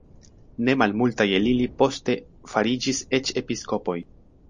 Ne malmultaj el ili poste fariĝis eĉ episkopoj.